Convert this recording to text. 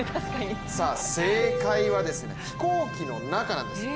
正解は飛行機の中なんです。